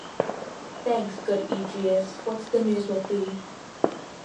Thanks, good Egeus: what's the news with thee?